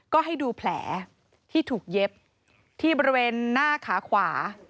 ก็ให้ดูแผลที่ถูกเย็บที่บริเวณหน้าขาขวา